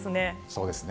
そうですね。